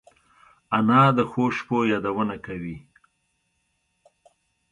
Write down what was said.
انا د ښو شپو یادونه کوي